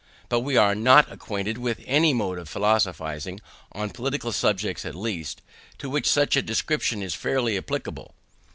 But we are not acquainted with any mode of philosophizing, on political subjects at least, to which such a description is fairly applicable.